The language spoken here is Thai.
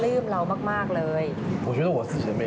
มีความสงสัยมีความสงสัย